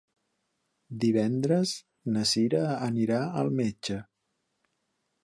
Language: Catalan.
Divendres na Sira anirà al metge.